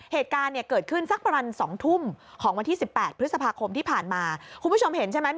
เหตุการณ์เนี่ยเกิดขึ้นสักประมาณสองทุ่มของวันที่สิบแปดพฤษภาคมที่ผ่านมาคุณผู้ชมเห็นใช่ไหม